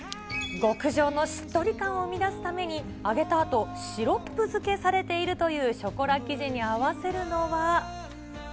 極上のしっとり感を生み出すために、揚げたあと、シロップ漬けされているというショコラ生地に合わせるのは。